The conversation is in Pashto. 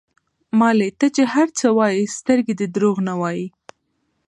مالې ته چې هر څه ووايې سترګې دې دروغ نه وايي.